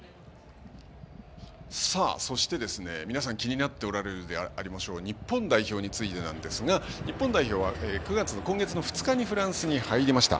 そして、皆さん気になっておられるでありましょう日本代表についてですが日本代表は今月２日にフランスに入りました。